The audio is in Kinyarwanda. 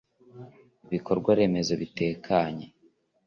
ibikorwa remezo bitekanye